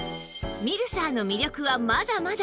ミルサーの魅力はまだまだ！